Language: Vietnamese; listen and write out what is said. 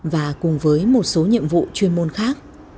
và cùng với một số nhiệm vụ chuyên môn khác